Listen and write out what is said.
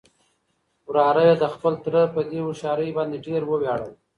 وراره يې د خپل تره په دې هوښيارۍ باندې ډېر ووياړل.